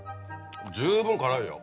十分辛いよ。